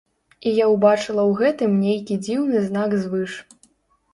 І я ўбачыла ў гэтым нейкі дзіўны знак звыш.